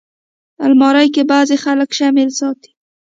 الماري کې بعضي خلک شمعې ساتي